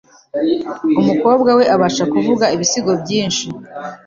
Umukobwa we abasha kuvuga ibisigo byinshi. )